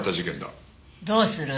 どうする？